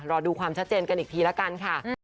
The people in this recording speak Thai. รอดูความชัดเจนกันอีกทีละกันค่ะ